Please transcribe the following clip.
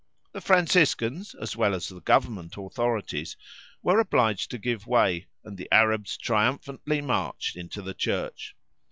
The Franciscans, as well as the Government authorities, were obliged to give way, and the Arabs triumphantly marched into the church.